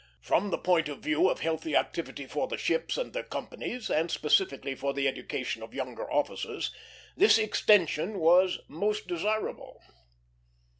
From the point of view of healthy activity for the ships and their companies, and specifically for the education of younger officers, this extension was most desirable.